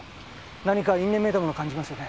何か因縁めいたものを感じますよね。